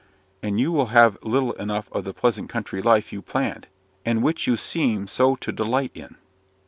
"And you will have little enough of the pleasant country life you planned, and which you seem so to delight in."